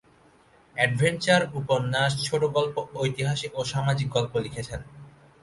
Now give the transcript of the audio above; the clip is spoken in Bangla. এডভেঞ্চার উপন্যাস, ছোটগল্প, ঐতিহাসিক ও সামাজিক গল্প লিখেছেন।